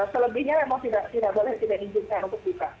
selebihnya memang tidak boleh tidak diizinkan untuk buka